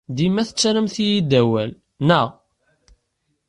Dima tettarramt-iyi-d awal, naɣ?